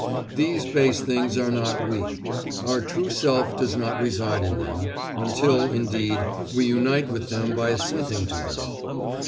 These base things are not we; our true self does not reside in them, until, indeed, we unite with them by assenting to them.